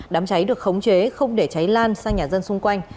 đám cháy được khống chế không để cháy lan sang nhà dân xung quanh